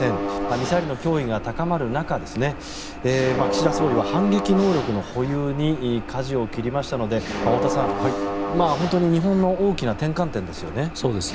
ミサイルの脅威が高まる中岸田総理は反撃能力の保有にかじを切りましたので太田さん、本当に日本の大きな転換点ですよね。